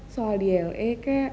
soal di la kek